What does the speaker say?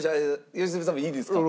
良純さんもいいですか？